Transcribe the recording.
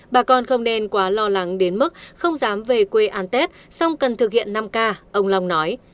bà con không nên quá lo lắng đến mức không dám về quê an tết song cần thực hiện năm k ông long nói